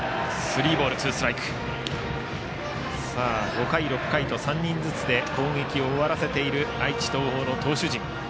５回、６回と３人ずつで攻撃を終わらせている愛知・東邦の投手陣。